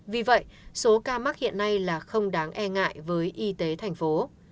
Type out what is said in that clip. vì vậy số ca mắc hiện nay là không đáng e ngại với y tế thành phố